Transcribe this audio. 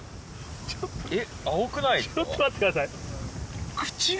ちょっと待ってください口が！